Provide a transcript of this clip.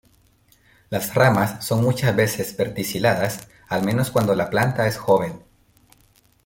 Las ramas son muchas veces verticiladas, al menos cuando la planta es joven.